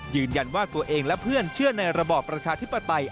ยืนยันว่าตัวเองและเพื่อนเชื่อในระบอบประชาธิปไตย